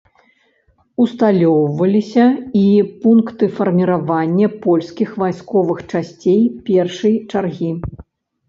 Усталёўваліся і пункты фарміравання польскіх вайсковых часцей першай чаргі.